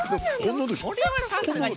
それはさすがに。